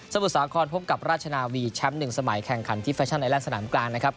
มุทรสาครพบกับราชนาวีแชมป์๑สมัยแข่งขันที่แฟชั่นไอแลนดสนามกลางนะครับ